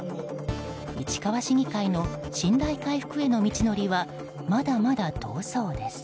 市川市議会の信頼回復への道のりは、まだまだ遠そうです。